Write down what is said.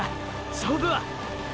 勝負は！！